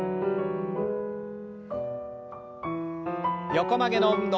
横曲げの運動。